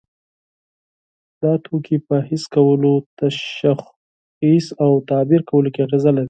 دا توکي په حس کولو، تشخیص او تعبیر کولو کې اغیزه لري.